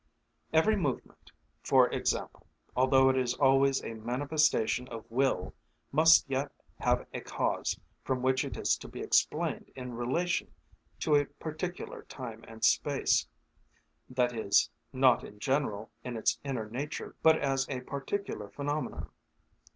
Every movement, for example, although it is always a manifestation of will, must yet have a cause from which it is to be explained in relation to a particular time and space; that is, not in general in its inner nature, but as a particular phenomenon.